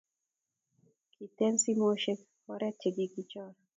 kiten simoishek oret che kokichor